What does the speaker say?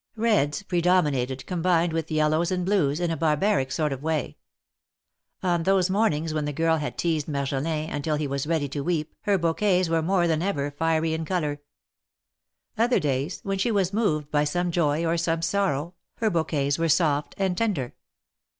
Reds predominated, combined with yellows and blues, in a barbaric sort of way. On those mornings when the girl had teased Marjolin, until he was ready to weep, her bouquets were more than ever fiery in color. Other days, when she was moved by some joy or some sorrow, her bouquets were soft and tender.